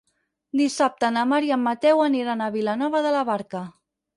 Dissabte na Mar i en Mateu aniran a Vilanova de la Barca.